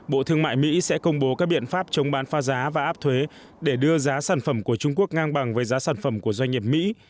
bộ thương mại mỹ sẽ công bố các biện pháp chống bán pha giá và áp thuế để đưa giá sản phẩm của trung quốc ngang bằng với giá sản phẩm của doanh nghiệp mỹ